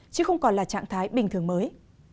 chứ không còn là trạng thái bình thường mới